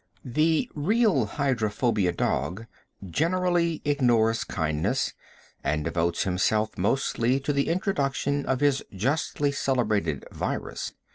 The real hydrophobia dog generally ignores kindness, and devotes himself mostly to the introduction of his justly celebrated virus.